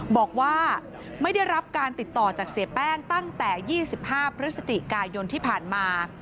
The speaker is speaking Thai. บอกว่าไม่ได้รับการติดต่อจากเสียแป้งตั้งแต่๒๕พฤศจิกายนที่ผ่านมา